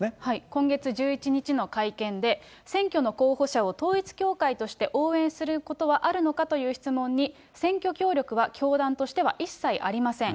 今月１１日の会見で、選挙の候補者を統一教会として応援することはあるのかという質問に、選挙協力は教団としては一切ありません。